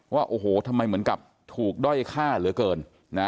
ว่าโอ้โหทำไมเหมือนกับถูกด้อยฆ่าเหลือเกินนะ